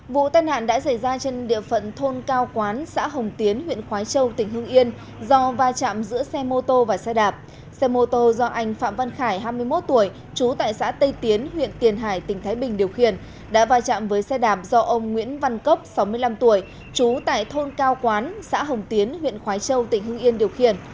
vụ tai nạn đã xảy ra trên địa phận thôn cao quán xã hồng tiến huyện khói châu tỉnh hưng yên do vai chạm giữa xe mô tô và xe đạp xe mô tô do anh phạm văn khải hai mươi một tuổi trú tại xã tây tiến huyện tiền hải tỉnh thái bình điều khiển đã vai chạm với xe đạp do ông nguyễn văn cốc sáu mươi năm tuổi trú tại thôn cao quán xã hồng tiến huyện khói châu tỉnh hưng yên điều khiển